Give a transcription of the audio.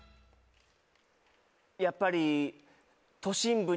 やっぱり。